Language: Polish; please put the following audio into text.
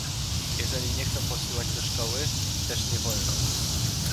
"Jeżeli nie chcą posyłać do szkoły, też nie wolno."